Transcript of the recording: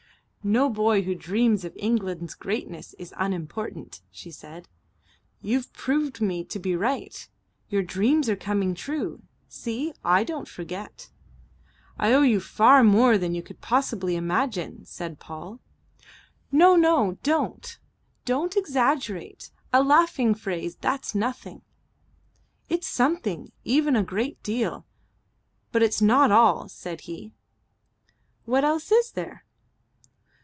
"No boy who dreams of England's greatness is unimportant," she said. "You've proved me to be right. Your dreams are coming true see, I don't forget!" "I owe you far more than you could possibly imagine," said Paul. "No, no. Don't. Don't exaggerate. A laughing phrase that's nothing." "It is something. Even a great deal. But it's not all," said he. "What else is there?"